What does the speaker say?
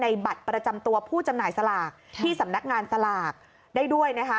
บัตรประจำตัวผู้จำหน่ายสลากที่สำนักงานสลากได้ด้วยนะคะ